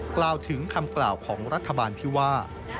กล่าวถึงคำกล่าวของรัฐบาลที่ว่า